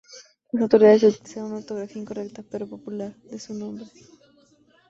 Las autoridades utilizaron una ortografía incorrecta, pero popular, de su nombre.